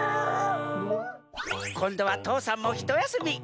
こんどは父山もひとやすみ。